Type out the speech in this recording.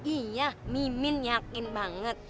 iya mimin yakin banget